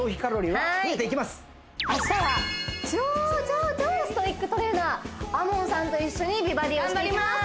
明日は超超超ストイックトレーナーＡＭＯＮさんと一緒に「美バディ」をしていきます